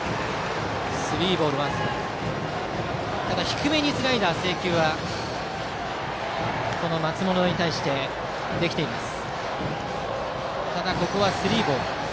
低めにスライダー、制球は松本に対してできています。